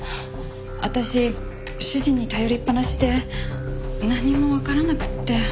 私主人に頼りっぱなしで何もわからなくって。